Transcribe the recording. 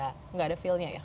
tidak ada feelnya ya